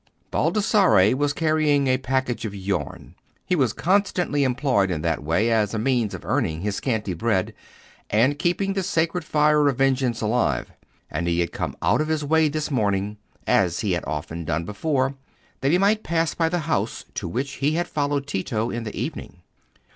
Baldassarre was carrying a package of yarn: he was constantly employed in that way, as a means of earning his scanty bread, and keeping the sacred fire of vengeance alive; and he had come out of his way this morning, as he had often done before, that he might pass by the house to which he had followed Tito in the evening.